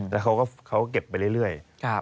แล้วเขาก็เก็บไปเรื่อย